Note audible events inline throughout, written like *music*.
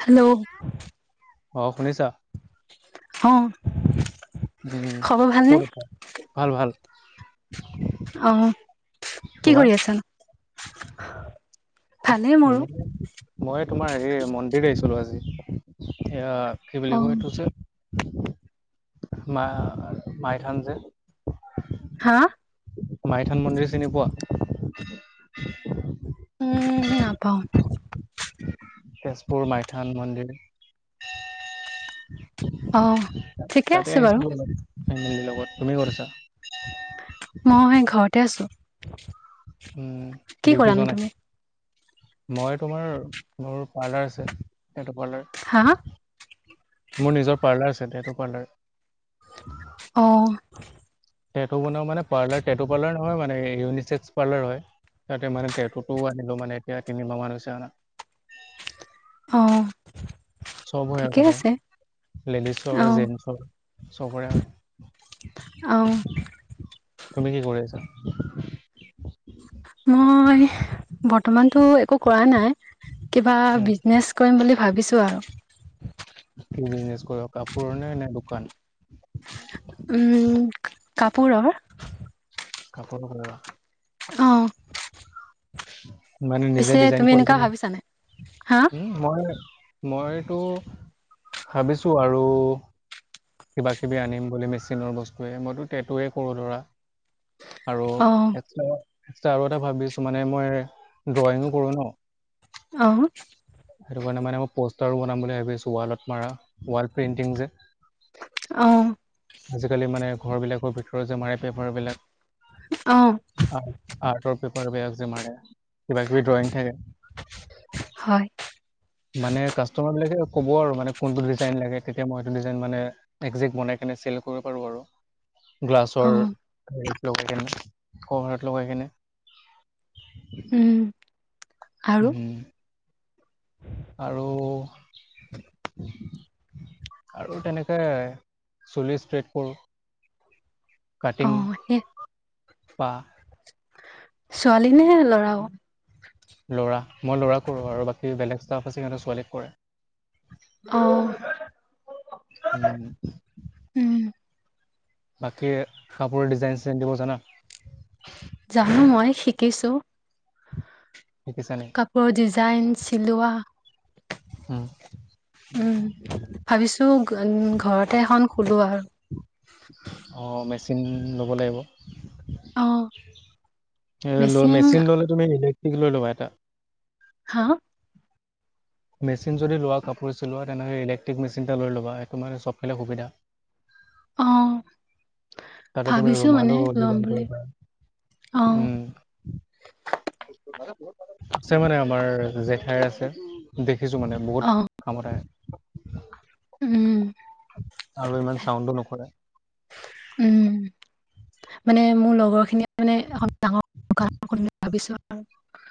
Hello. অ' শুনিছা। অ'। উম, ক'ত আছে, ভাল- ভাল। অ', কি তোমাৰ কৰি আছা নো। এনে মই তোমাৰ এই মন্দিৰ আহিছিলো আজি এয়া কি অ বুলি কয় এইটো যে। মা মাইথান যে। হা। মাইথান মন্দিৰ চিনি পোৱা। উম নাপাওঁ। তেজপুৰ মাইথান মন্দিৰ। তাতে আহিছ অ *unintelligible* ঠিকে ফেমিলি আছে বাৰু লগত তুমি ক'ত আছা। মই ঘৰতে আছো। উম, কি ডিউটি কৰানো যোৱা তুমি নাই মই তোমাৰ মোৰ পাৰ্লাৰ আছে, তেটো হা পাৰ্লাৰ। মোৰ নিজৰ পাৰ্লাৰ আছে দে টো পাৰ্লাৰ। অ'। তেটো বনাও মানে পাৰ্লাৰ টেটো পাৰ্লাৰ নহয় মানে ইউনিচেক্স পাৰ্লাৰ হয়। তাতে মানে তেটোতোও আনিলো মানে এতিয়া তিনিমাহ মান হৈছে আনা। অ'। চব হয় আৰু ঠিকে তাতে। আছে লেডিছৰ অ জেন্ছৰ চবৰে হয়। *inaudible* তুমি কি কৰি আছা। মই বৰ্তমানতো একো কৰা নাই কিবা উম বিজনেছ কৰিম বুলি ভাবিছোঁ আৰু। কি বিজনেছ কৰিবা কাপোৰ নে- নে দ দোকান। উম, কাপোৰৰ। কাপোৰ *unintelligible* অ'। মানে নিজে পিছে ডিজাইন তুমি কৰি এনেকুৱা কিনে, ভাবিছা নাই হা উম মই মইটো ভাবিছো আৰু। কিবা কিবি আনিম বুলি মেচিনৰ বস্তুৱে মইতো টেটোৱে কৰোঁ ধৰা। আৰু অ এক্সট্ৰা - এক্সট্ৰা আৰু এটা ভাবিছো মানে মই দ্ৰয়িঙু কৰো ন। অ সেইটো কাৰণে মানে মোৰ পছ *unintelligible* ৰো বনাম বুলি ভাবি আছো ৱালত মাৰা ৱাল প্ৰিন্টিং যে। অ আজিকালি মানে ঘৰবিলাকৰ ভিতৰত যে মাৰে পেপাৰ বিলাক। অ আৰ্ট, আৰ্টৰ পেপাৰ *unintelligible* কিবা কিবি ড্ৰয়িং থাকে। হয় মানে, কাষ্টমাৰ বিলাকে ক'ব আৰু মানে কোনটো ডিজাইন লাগে তেতিয়া মই সেইটো ডিজাইন মানে, একজেক্ট বনাই মানে চেল কৰিব পাৰোঁ আৰু। অ গ্লাছৰ, হেৰিত লগাই কেনে, কভাৰত লগাই কেনে। উম, আৰু হ'ম আৰু আৰু তেনেকে চুলি ষ্ট্ৰেইট কৰোঁ। কাটিং অ', সে *unintelligible* ছোৱালী নে ল'ৰাও? ল'ৰা মই ল'ৰাক কৰোঁ আৰু বাকী বেলেগ ষ্টাফ আছে সিহঁতে ছোৱালীক অ কৰে। হুম, উম বাকী কাপোৰৰ ডিজাইন-চিজাইন দিব জানা? জানো, মই শিকিছোঁ। শিকিছা নেকি কাপোৰৰ ডিজাইন, চিলোৱা। উম, উম, ভাবিছোঁ উম, ঘৰতে এখন খোলোঁ আৰু অ', মেচিন ল'ব লাগিব। অ এই ল মিচিং মেচিন ল'লে তুমি ইলেক্ট্ৰিক লৈ ল'বা এটা। হা? মেচিন যদি লোৱা কাপোৰ চিলোৱা তেনেহ'লে ইলেক্ট্ৰিক মেচিনটা লৈ ল'ব, সেইটো মানে চব ফালে সুবিধা। অহ'। তাতে তুমি ৰুমালো ল'ম ডিজাইন বুলি কৰিব পাৰা, অ উম। আছে মানে, আমাৰ জেঠাই আছে দে। দেখিছোঁ মানে অ বহুত কামত আহে। উম আৰু ইমান চাউণ্ডো নকৰে। উম মানে মোৰ লগৰখিনিয়ে মানে *unintelligible*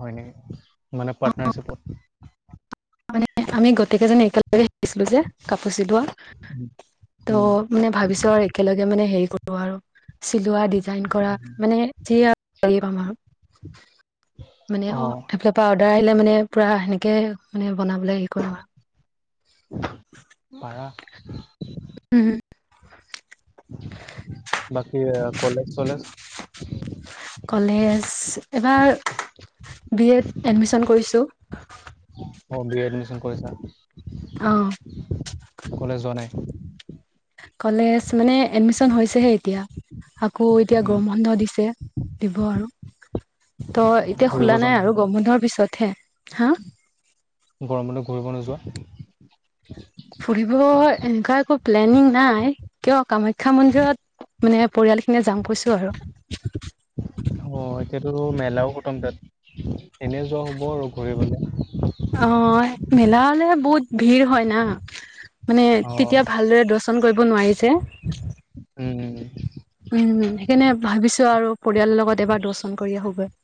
হয় নেকি, মানে পাৰ্টনাৰশ্বিপত। মানে আমি গোটেই কেইজন একেলগ একে শিকিছিলোঁ যে কাপোৰ চিলোৱা উম, মানে ভাবিছোঁ আৰু একেলগে, মানে হেৰি *unintelligible* আৰু, চিলোৱা, ডিজাইন কৰা মানে, *unintelligible* মানে অ' সেইফালৰ পৰা অৰ্ডাৰ আহিলে মানে পুৰা সেনেকৈ মানে বনাবলৈ হেৰি কৰিম আৰু পাৰা উম, বাকী কলেজ-চলেজ? কলেজ, এইবাৰ বি এ ত এডমিশন কৰিছোঁ। অ' বি এ এডমিচন কৰিলা? অহ'। *inaudible* কলেজ মানে এডমিশ্যন হৈছেহে, এতিয়া আকৌ উম। গৰম বন্ধ দিছে। দিব আৰু তো এতিয়া ঘূৰিব খোলা যোৱা নাই আৰু ক'তো গৰম বন্ধৰ পিছতহে হা? গৰম বন্ধত ঘূৰিব নোযোৱা? ফুৰিব, এনেকুৱা একো প্লেনিং নাই, কিয়? কামাখ্যা মন্দিৰত মানে, পৰিয়াল খিনিয়ে যাম কৈছোঁ আৰু অ', এতিয়াতো মেলাও খতম তাত এনে যোৱা হ'ব আৰু ঘূৰিবলে মেলালে বহুত ভিৰ হয় না, মানে অ'। তেতিয়া ভালদৰে দচ শাসন কৰিব নোৱাৰি যে উম, উম। সেইকাৰণে ভাবিছোঁ আৰু পৰিয়ালৰ লগত এবাৰ দৰ্শন কৰি আহোগৈ।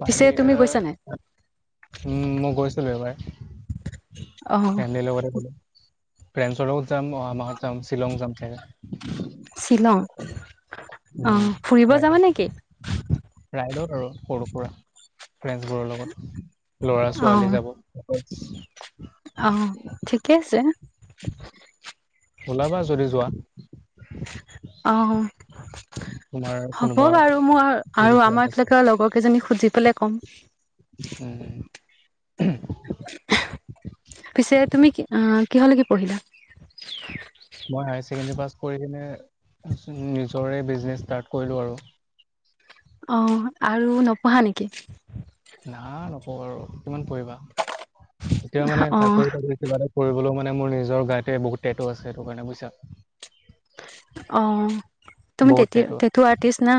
পাৰি পিছে তুমি গৈছা নাই আহ উম, মই গৈছিলোঁ এবাৰ। অ ফেমেলিৰ লগতে গলোঁ, ফ্ৰেণ্ডছ লগত যাম অহা মাহত যাম শ্বিলং যাম চাগে। শ্বিলং উম। অ' ফুৰিব ৰাইড যাবা নেকি? ৰাইডত আৰু সৰু সুৰা ফ্ৰেণ্ডছ বোৰৰ লগত ল'ৰা অ ছোৱালী যাব। উটচ অ' ঠিকে আছে। ওলাবা, যদি যোৱা। অ' অ' তোমাৰ হ'ব কোনোবা বাৰু, মোৰ যদি আৰু ফ্ৰেণ্ড আমাৰ আছে। এইফালে লগৰ কেইজনীক সুধি পেলায় ক'ম। এহ উমহ। পিছে তুমি কি অ' কিহৰ লৈকে পঢ়িলা? মই হায়ৰছেকেণ্ডী পাছ কৰি কিনে নিজৰে বে ব্ৰিজনেচ ষ্টাৰ্ট কৰিলোঁ আৰু। অ' আৰু নপঢ়া নেকি? না আৰু কিমান পঢ়িবা, এতিয়া মানে অ চাকৰি চাকৰি কিবা এটা কৰিবলৈও মানে মানে মোৰ নিজৰ গাতে বহুত টেটু আছে, সেইটো কাৰণে বুইছা। অ' তুমি টে টেটু আৰ্টিষ্ট না।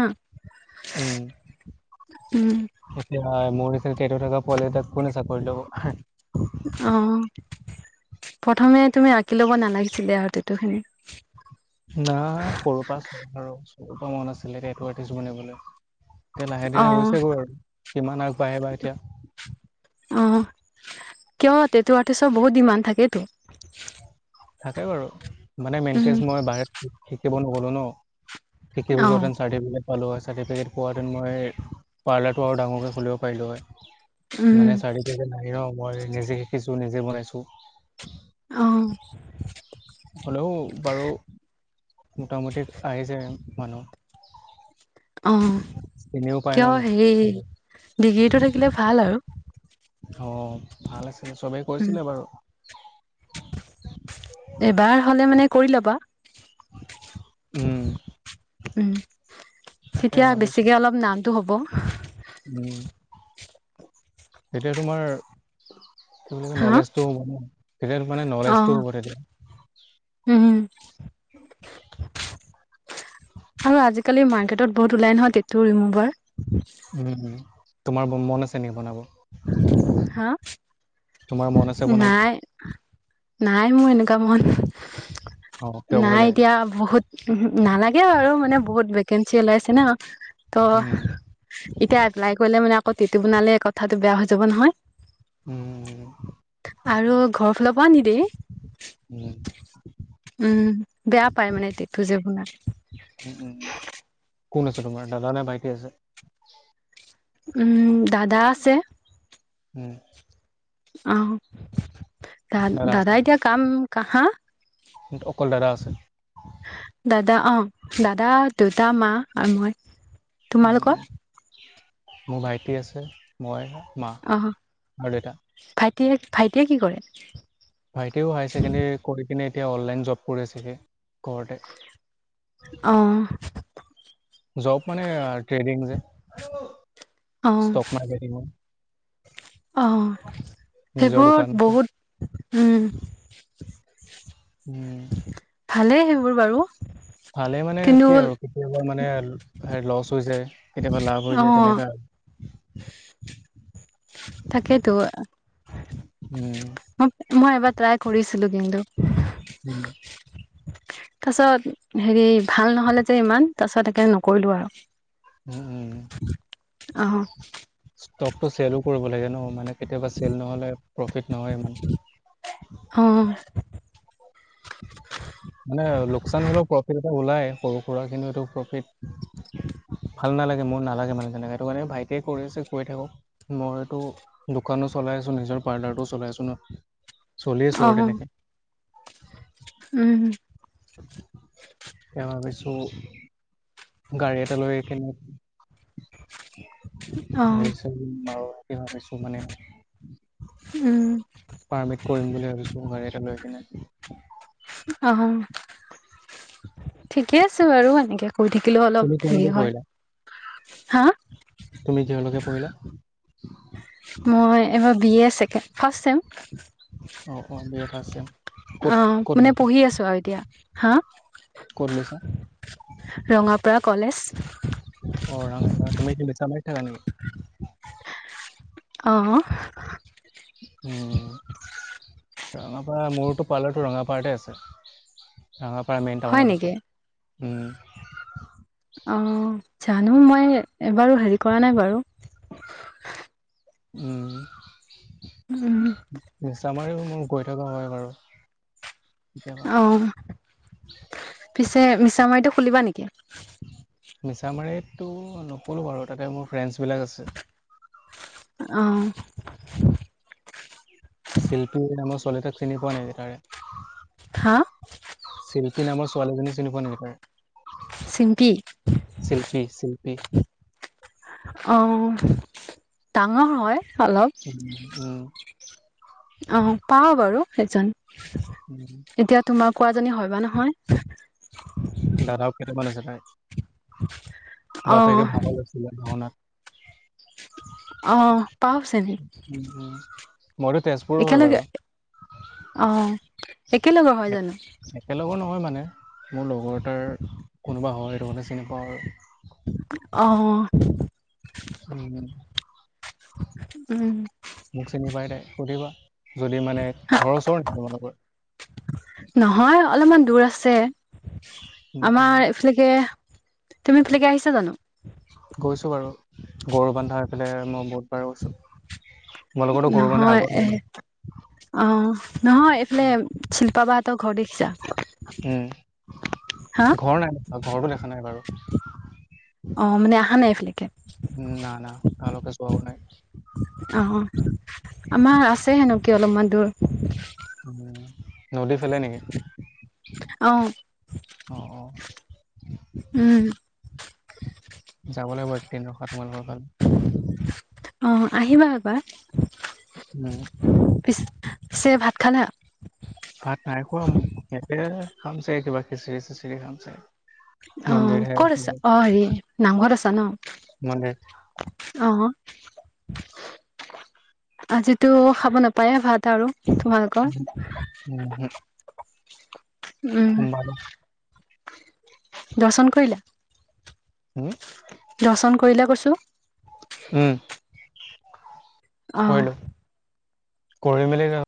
উম। উম। এতিয়া মোৰ নিচিনাকে এইটো ধৰিলওক পোৱালি এটাক কোনে চাকৰিত ল'ব। অ প্ৰথমে তুমি আঁকি ল'ব নালাগিছিলে আৰু টেটো খিনি। যাৰ সৰুৰ পৰা আৰু পৰা মন আছিলে এতিয়া টেটু আৰ্টিষ্ট বনিবলৈ। এই লাহে অ ধীৰে গৈছে গৈ আৰু কিমান আগবাঢ়ে বা এতিয়া। অ' কিয় টেটু আৰ্টিষ্ট বহুত ডিমাণ্ড থাকেতো। থাকে বাৰু মানে উম মেনকেজ মই বাহিৰত শিকিব নগলো ন। ঠিকে অ গোজত এনছাৰ দিয়ে বোলে। পালোঁ হয়, চাৰ্টিফিকেট পোৱাহেঁতেন, মই পাৰ্লাৰটো আৰু ডাঙৰকৈ খোলিব পাৰিলোঁ হয়। উম মানে চাৰ্টিফিকেট নাই ৰ মই নিজে শিকিছোঁ, নিজে বনাইছোঁ। অহ' হ'লেও বাৰু। মোটামুটি আহিছেহে মানুহ। অ' চিনিও পায় ন কিয় মোক। হেৰি ডিগ্ৰীটো থাকিলে ভাল আৰু অ' ভাল আছিলে, চবেই উম কৈছিলে বাৰু। এবাৰ হ'লে মানে কৰি ল'বা। উম। উম, তাকে তেতিয়া ভাবিছো বেছিকে অলপ নামটো হ'ব। এতিয়া, তোমাৰ কি বুলি কয় হা নলেজ টো হ'ব, তেতিয়া মানে অ নলেজ টো হ'ব তেতিয়া। উম, আৰু আজিকালি মান সেইটোত বহত ওলাই নহয় টেটুটো ৰিভাৰ। উম, উম, তোমাৰ মন আছে নেকি বনাব? হা, তোমাৰ মন আছে বনাব নাই। নাই মোৰ এনেকুৱা মন। অ কিয় ভয় নাই লাগে এতিয়া বহুত নালাগে আৰু মানে বহুত ভেকেঞ্চি ওলাইছে না। তো উম এতিয়া এপ্লাই কৰিলে মানে আকৌ টেটু বনালে কথাটো বেয়া হৈ যাব নহয়। উম। আৰু ঘৰৰ ফালৰ পৰাও নিদিয়ে। উম উম উম, বেয়া পাই মানে টেটু যে বনালে। উম উম। কোন আছে তোমাৰ দাদা নে ভাইটি আছে? উম, দাদা আছে। উম। আহ দা দাদা এতিয়া কাম কা হা কিন্তু অকল দাদা আছে। দাদা অ দাদা দেউতা মা আৰু মই। উ তোমালোকৰ মোৰ ভাইটি আছে। মই মা অ আৰু দেউতা। ভাইটিয়ে ভাইটিয়ে কি কৰে। ভাইটিয়েও হায়াৰ ছেকেণ্ডেৰী কৰি কিনে এতিয়া অনলাইন জব কৰি আছেগে। অ' জব মানে ট্ৰেইনিং যে অ ষ্টক মাৰ্কেটিঙৰ। অ' নিজৰ দোকান সেইবোৰত আছে বহুত উম। উম। মোৰ বাৰু। ভালে মানে কিন্তু কি আৰু কেতিয়াবা মানে লচ হৈ যায়। কেতিয়াবা লাভ হৈ অ যায় তেনেকা আৰু। তাকেইতো। উম মই এবাৰ ট্ৰাই কৰিছিলো কিন্তু। তাৰ উম পিছত হেৰি ভাল নহ'লে যে ইমান তাৰ পিছত একে নকৰিলো আৰু। উম- উম অ', ষ্টকটো চেলো কৰিব লাগে ন' মানে। কেতিয়াবা চেল নহলে প্ৰফিট নহয় ইমান। অ', *inaudible* মানে লোকচান হ'লেও প্ৰফিট এটা ওলাই সৰু সুৰা কিন্তু এইটো প্ৰফিট। ভাল নালাগে মোৰ নালাগে মানে তেনেকাে এইটো কাৰণে ভাইটিয়ে কৰি আছে কৈ থাকক মইতটো দোকানত। চলাই আছো নিজৰ পাৰ্লাৰটো চলাই আছোন চলি আছো অ', আৰু তেনেকে। উম হম। তেওঁ ভাবিছো গাড়ী এটা লৈ কেনে। অ', *inaudible* কে ভাবিছো মানে উম, পাৰ্মিট কৰিম বুলি ভাবিছো *unintelligible* এ লৈ কেনে অ', ঠিকে আছে বাৰু এনেকে কৈ থাকিলেও তুমি অলপ হেৰি কিহলৈকে হয় পঢ়িলা? হা? তুমি কিহলৈকে পঢ়িলা? মই এইবাৰ বি এ ছেকে ফাৰ্ষ চেম। অ', অ', বি এ চেম অ', ক'ত-ক'ত মানে লৈছা? পঢ়ি আছো আৰু এতিয়া হা? ক'ত লৈছা? ৰঙাপাৰা কলেজ। অ, ৰাঙাপাৰা তুমি কি মিছামাৰীত থাকা নেকি? অ', উম, ৰাঙাপাৰা মোৰতো পাৰ্লাৰটো ৰঙাপাৰতে আছে ৰাঙাপাৰা মেইন হয় টাউনত নেকি আছে। উম, অ, জানো মই এবাৰো হেৰি কৰা নাই বাৰু। উম, উম, মিছামাৰীওঁ মোৰ গৈ থকা হয় বাৰু। কেতিয়াবা। অ, পিছে মিছামাৰীটো খুলিবা নেকি? মিছামাৰীতটো নুখোঁলো বাৰু তাতে মোৰ ফ্ৰেণ্ডছ বিলাক আছে। আহ, চিল্পী নামৰ ছোৱালী এটাক চিনি পোৱা নিকি তাৰে? হা চিল্পী নামৰ ছোৱালীজনী চিনি পোৱা নিকি তাৰে? চিম্পী চিল্পী -চিল্পী অ, ডাঙৰ হয়। অলপ উম, উম, অ, পাওঁ বাৰু সেইজন। উম, এতিয়া তোমাৰ কোৱাজনী হয় বা নহয় দাদাও কেইটামান আছে তাই অ বাপেকে ভাঁও লৈছিলে ভাওনাত *unintelligible* আহ পাও চিনি উম, উম। মইতো তেজপুৰৰ হয় একেলগে বাৰু অ একেলগৰ হয় জানো একেলগৰ নহয় মানে মোৰ লগৰ এটাৰ কোনোবা হয় সেইটো কাৰণে চিনি পাওঁ আৰু অঁ, অঁ। উ উম মোক চিনি পাইদে সুধিবা যদি মানে ঘৰৰ ওচৰ ন তোমালোকৰ নহয় অলপমান দূৰ আছে আমাৰ এইফালেকে তুমি এইফালেকে আহিছা জানো গৈছো বাৰু গৰু বান্ধা হৈ পেলাই মই বহুত বাৰ গৈছো। নহয় এ অহ নহয় এইফালে শিল্পাবাহঁতৰ ঘৰ দেখিছা উম, হা ঘৰ নাই ঘৰৰতটো দেখা নাই বাৰু অ মানে অহা নাই এইফালে উ ন না তালোকে যোৱা ও নাই অ কি অলপমান দূৰ উ নদী ফালে নেকি আহ অঁ অঁ যাব লাগিব এক দিন ৰখা তোমালোকৰ ফাল অ আহিবা এবাৰ উম চে ভাত খালা ভাত নাই খোৱা সিহঁতে খামছে কিবা খিচিৰি চিচিৰি খামছে অঁ ক'ত আছ অঁ হেৰি নাঘৰত আছা ন! মানে অঁ আজিতো খাব নাপায়ে ভাত আৰু তোমালোকৰ উম, উম, উম সোমবাৰ দৰ্শন কৰিলে উম দৰ্শন কৰিলে কৈছো। উম। আহঁ কৰিলো কৰি মেলি য